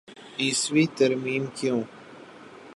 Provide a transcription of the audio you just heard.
ائیسویں ترمیم کیوں؟